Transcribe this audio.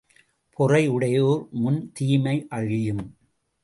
பொறை யுடையோர் முன் தீமை அழியும்.